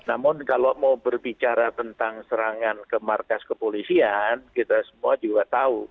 namun kalau mau berbicara tentang serangan ke markas kepolisian kita semua juga tahu